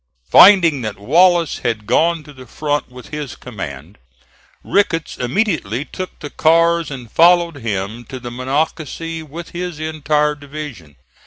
Finding that Wallace had gone to the front with his command, Ricketts immediately took the cars and followed him to the Monocacy with his entire division.